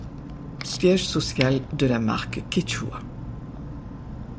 Siège social de la marque Quechua.